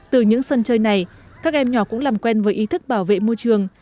từ những sân chơi này các em nhỏ cũng làm quen với ý thức bảo vệ môi trường